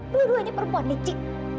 dua duanya perempuan licik